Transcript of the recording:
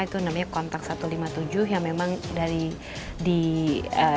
yang namanya kontak satu ratus lima puluh tujuh yang memang ditangkap